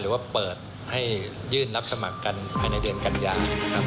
หรือว่าเปิดให้ยื่นรับสมัครกันภายในเดือนกันยา